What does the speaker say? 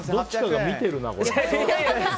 どっちかが見てるな、これ。